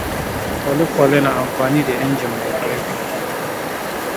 Kwale-kwalen na amfani da inji mai ƙarfi.